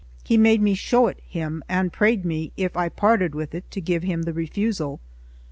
He made me show it him, and prayed me, if I parted with it, to give him the refusal.